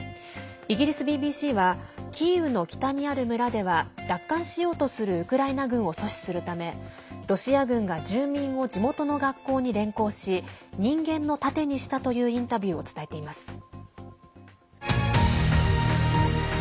イギリスＢＢＣはキーウの北にある村では奪還しようとするウクライナ軍を阻止するためロシア軍が住民を地元の学校に連行し人間の盾にしたというインタビューを伝えています。